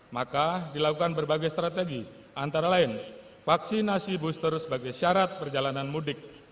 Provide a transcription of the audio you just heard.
maka dilakukan berbagai strategi antara lain vaksinasi booster sebagai syarat perjalanan mudik